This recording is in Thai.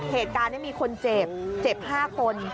เหตุการณ์นี้มีคนเจ็บเจ็บ๕คน